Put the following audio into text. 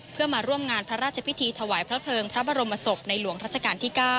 เพื่อมาร่วมงานพระราชพิธีถวายพระเพลิงพระบรมศพในหลวงรัชกาลที่๙